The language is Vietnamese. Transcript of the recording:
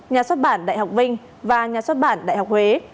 nhà xuất bản đại học vinh và nhà xuất bản đại học huế